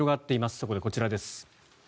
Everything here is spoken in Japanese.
そこでこちらです。